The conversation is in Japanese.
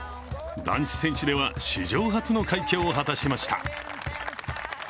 男子選手では史上初の快挙を果たしました。